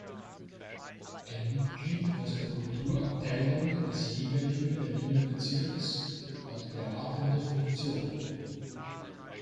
Ein Mitglied aus der Kulturabteilung des jeweiligen Berliner Bezirks hat beratende Funktion.